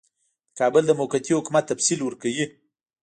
د کابل د موقتي حکومت تفصیل ورکوي.